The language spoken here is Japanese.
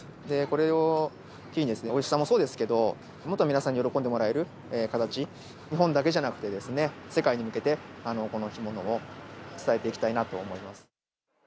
これを機に、おいしさもそうですけど、もっと皆さんに喜んでもらえる形、日本だけじゃなくて、世界に向けてこの干物を伝えていきたいなと思います。